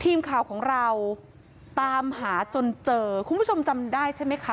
ทีมข่าวของเราตามหาจนเจอคุณผู้ชมจำได้ใช่ไหมคะ